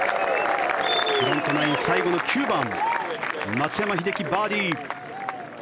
フロントナイン最後の９番松山英樹、バーディー。